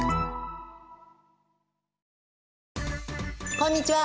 こんにちは！